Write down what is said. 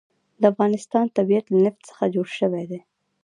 د افغانستان طبیعت له نفت څخه جوړ شوی دی.